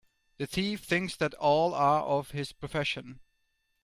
The thief thinks that all are of his profession.